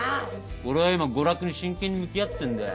☎俺は今娯楽に真剣に向き合ってんだよ。